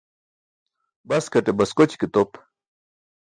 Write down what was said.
Baskate baskoći ke top.